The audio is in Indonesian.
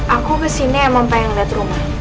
aku kesini emang pengen lihat rumah